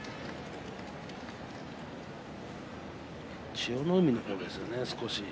千代の海の方ですよね少し。